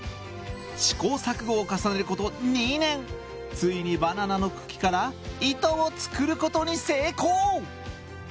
試行錯誤を重ねること２年ついにバナナの茎から糸を作ることに成功。